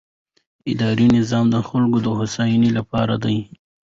اداري نظام د خلکو د هوساینې لپاره دی.